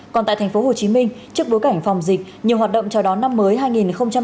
còn tại tp hcm trước bối cảnh phòng dịch nhiều hoạt động chào đón năm mới hai nghìn hai mươi